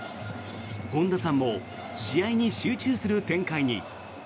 本田さんも試合に集中する展開に。